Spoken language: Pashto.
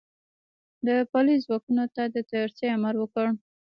د پلیو ځواکونو ته د تیارسئ امر وکړ.